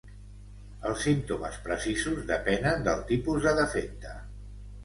Els símptomes precisos depenen del tipus de defecte.